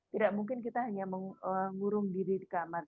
tidak mungkin kita hanya mengurung diri di kamar